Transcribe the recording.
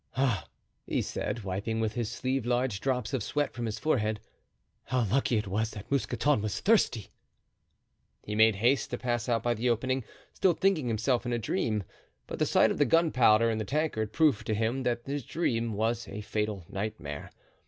"Ah!" he said, wiping with his sleeve large drops of sweat from his forehead, "how lucky it was that Mousqueton was thirsty!" He made haste to pass out by the opening, still thinking himself in a dream; but the sight of the gunpowder in the tankard proved to him that his dream was a fatal nightmare.